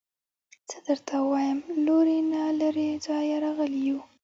څه درته ووايم لورې نه له لرې ځايه راغلي يو.